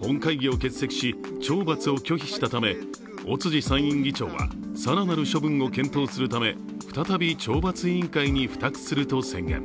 本会議を欠席し懲罰を拒否したため尾辻参院議長は更なる処分を検討するため再び懲罰委員会に付託すると宣言。